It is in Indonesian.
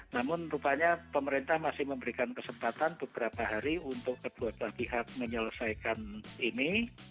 namun rupanya pemerintah masih memberikan kesempatan beberapa hari untuk kedua belah pihak menyelesaikan ini